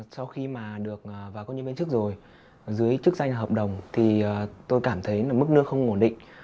sau khi mà được vào công nhân viên chức rồi dưới chức danh hợp đồng thì tôi cảm thấy mức nước không ổn định